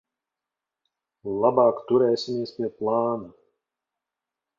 Labāk turēsimies pie plāna.